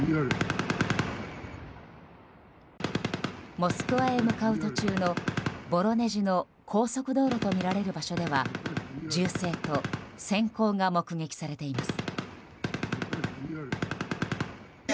モスクワへ向かう途中のボロネジの高速道路とみられる場所では銃声と閃光が目撃されています。